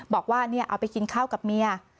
บอกว่าเอาไปกินข้าวกับเมีย